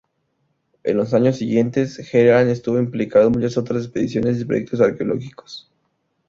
En los años siguientes, Heyerdahl estuvo implicado en muchas otras expediciones y proyectos arqueológicos.